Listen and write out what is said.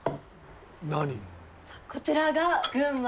何？